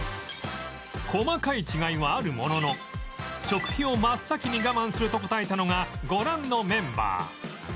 細かい違いはあるものの食費を真っ先に我慢すると答えたのがご覧のメンバー